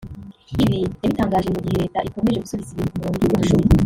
Ibi yabitangaje mu gihe Leta ikomeje gusubiza ibintu ku murongo yubaka amashuri